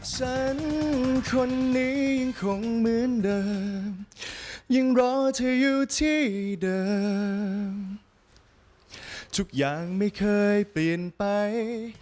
ฉันคนนี้ยังคงเหมือนเดิมยังรอเธออยู่ที่เดิมทุกอย่างไม่เคยเปลี่ยนไป